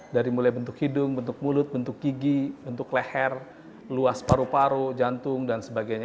dari mulai bentuk hidung bentuk mulut bentuk gigi bentuk leher luas paru paru jantung dan sebagainya